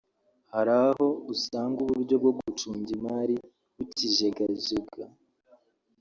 Hari aho usanga uburyo bwo gucunga imali bukijegajega